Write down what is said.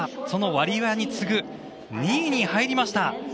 そのワリエワに次ぐ２位に入りました。